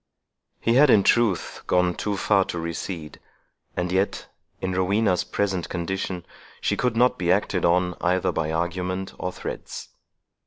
He had, in truth, gone too far to recede; and yet, in Rowena's present condition, she could not be acted on either by argument or threats.